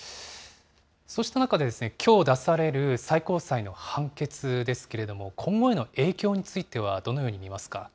そうした中、きょう出される最高裁の判決ですけれども、今後への影響についてはどのように見ますか。